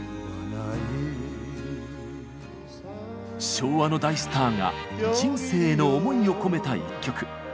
昭和の大スターが人生への思いを込めた一曲。